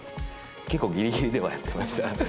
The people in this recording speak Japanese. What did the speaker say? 結構ぎりきりではやってました。